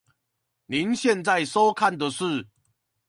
您現在收看的是